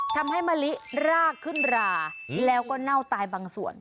ทำให้มะลิรากขึ้นราแล้วก็เน่าตายบางส่วน